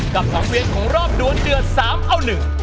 กับสังเวียนของรอบดัวเดือด๓เอา๑